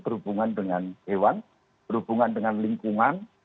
berhubungan dengan hewan berhubungan dengan lingkungan